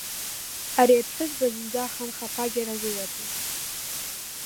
Ари аԥҳәызба зынӡа ахамхаԥагьара лылаӡам.